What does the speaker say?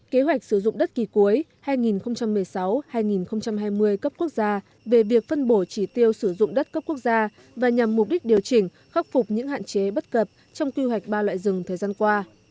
kế hoạch sử dụng đất kỳ cuối hai nghìn một mươi sáu hai nghìn hai mươi cấp quốc gia về việc phân bổ chỉ tiêu sử dụng đất cấp quốc gia và nhằm mục đích điều chỉnh khắc phục những hạn chế bất cập trong quy hoạch ba loại rừng thời gian qua